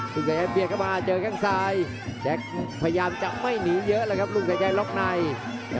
กลุ่นใจยกเบียบเข้ามาแต่มีกลางสาย